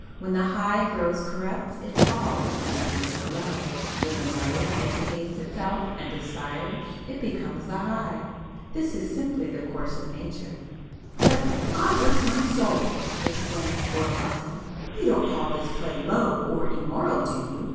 When the High grows corrupt, it falls and becomes the Low;—when the Low educates itself and aspires, it becomes the High. This is simply the course of nature." "But, God bless my soul!" exclaimed Lord Elton—"you don't call this play low or immoral do you?